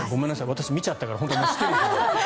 私、見ちゃったから本当は知っているんだけど。